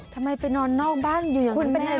ทำไมไปนอนนอกบ้านอยู่อย่างแม่หรือเปล่า